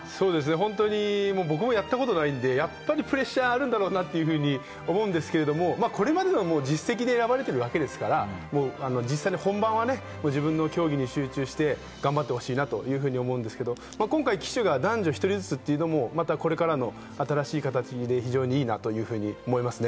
僕もやったことはないんで、やっぱりプレッシャーがあるんだろうなというふうに思うんですけれども、これまでの実績で選ばれているわけですから、本番は自分の競技に集中して頑張ってほしいなと思うんですが、今回旗手が男女１人ずつというのもこれからの新しい形で非常に良いなと思いますね。